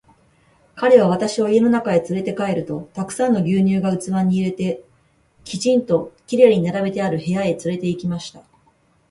彼は私を家の中へつれて帰ると、たくさんの牛乳が器に入れて、きちんと綺麗に並べてある部屋へつれて行きました。